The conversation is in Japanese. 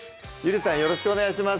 よろしくお願いします